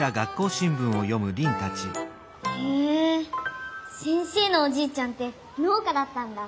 へえ先生のおじいちゃんってのう家だったんだ。